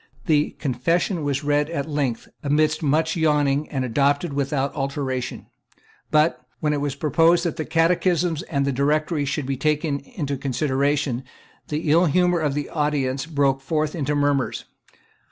The Confession was read at length, amidst much yawning, and adopted without alteration. But, when it was proposed that the Catechisms and the Directory should be taken into consideration, the ill humour of the audience broke forth into murmurs.